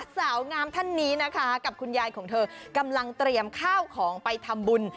สาวงามท่านนี้นะคะกับคุณยายของเธอกำลังเตรียมข้าวของไปทำบุญ